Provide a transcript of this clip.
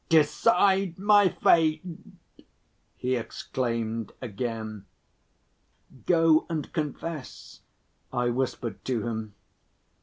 "Decide my fate!" he exclaimed again. "Go and confess," I whispered to him.